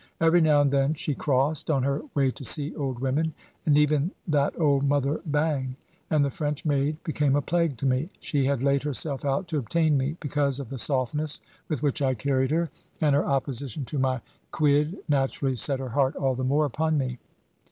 Every now and then she crossed, on her way to see old women, and even that old Mother Bang; and the French maid became a plague to me. She had laid herself out to obtain me, because of the softness with which I carried her; and her opposition to my quid naturally set her heart all the more upon me.